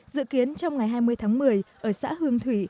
dự kiến trong ngày hai mươi tháng một mươi ở xã hương thủy